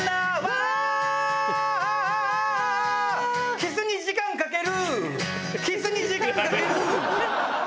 「キスに時間かける」